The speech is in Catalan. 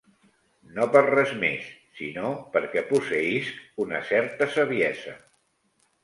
No per res més, sinó perquè posseeïsc una certa saviesa.